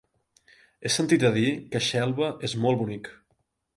He sentit a dir que Xelva és molt bonic.